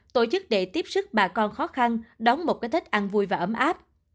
tổ chức để tiếp sức bà con khó khăn đóng một cái tết an vui và ấm áp